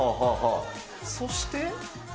そして。